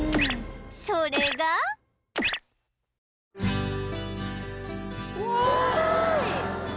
それがうわちっちゃい！